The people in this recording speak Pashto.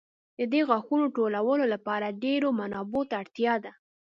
د دې غاښونو ټولولو لپاره ډېرو منابعو ته اړتیا ده.